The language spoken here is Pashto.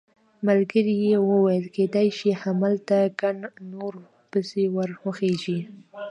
ملګري یې وویل کېدای شي همالته ګڼ نور پسې ور وخېژي.